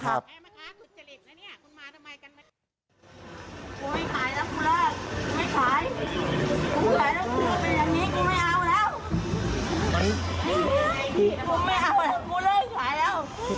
หมายความสี่